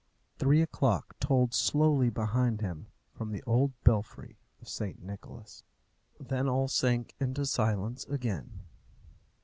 Three o'clock tolled slowly behind him from the old belfry of St. Nicholas. Then all sank into silence again.